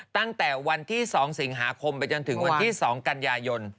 ตั้งแต่วันที่๒สิงหาคมไปจนถึงวันที่๒กันยายน